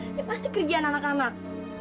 dia pasti kerjaan anak anak